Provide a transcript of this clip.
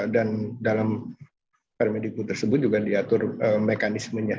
dan dalam paramedic put tersebut juga diatur mekanismenya